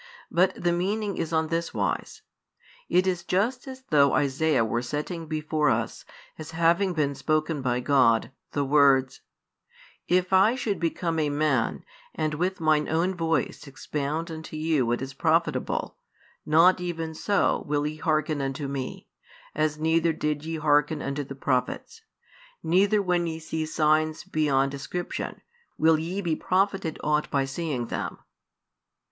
But the meaning is on this wise. It is just as though Isaiah were setting before us, as having been spoken by God, the words: "If I should become a Man, and with Mine own voice expound unto you what is profitable, not even so will ye hearken unto Me, as neither did ye hearken unto the prophets; neither, when ye see signs beyond description, will ye be profited aught by seeing them."